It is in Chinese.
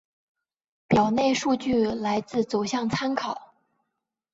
表内数据来自走向参考